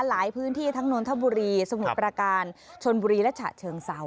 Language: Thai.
หลายพื้นที่ทั้งนนทบุรีสมุทรประการชนบุรีและฉะเชิงเซา